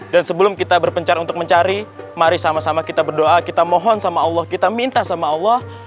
sebelum kita berpencar untuk mencari mari sama sama kita berdoa kita mohon sama allah kita minta sama allah